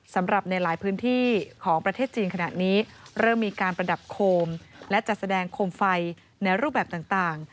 สำหรับในหลายพื้นที่ของประเทศจีนขณะนี้เริ่มมีการประดับโคมและจัดแสดงโคมไฟในรูปแบบต่าง